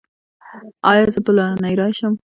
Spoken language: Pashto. ایا زه بله اونۍ راشم؟